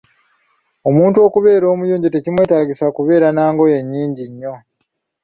Omuntu okubeera omuyonjo tekimwetaagisa kubeera n'angoye nyingi nnyo.